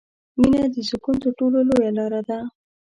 • مینه د سکون تر ټولو لویه لاره ده.